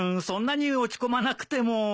そんなに落ち込まなくても。